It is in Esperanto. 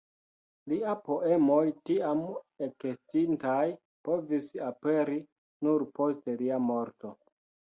Lia poemoj tiam ekestintaj povis aperi nur post lia morto.